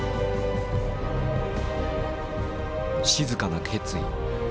静かな決意。